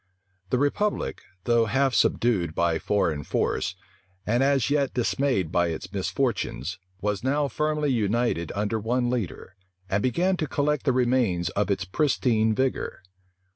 The republic, though half subdued by foreign force, and as yet dismayed by its misfortunes, was now firmly united under one leader, and began to collect the remains of its pristine vigor.